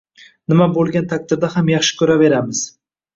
Nima bo`lgan taqdirda ham yaxshi ko`raveramiz